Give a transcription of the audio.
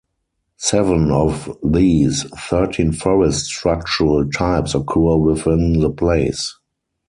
Seven of these thirteen forest structural types occur within the place.